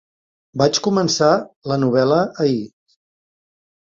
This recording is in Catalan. Vaig començar la novel·la ahir.